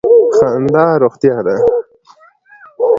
خندا روغتیا ده.